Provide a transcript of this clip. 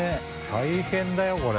大変だよこれ。